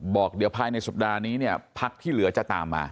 บอกเดี๋ยวภายในสัปดาห์นี้เนี่ยพักที่เหลือจะตามมา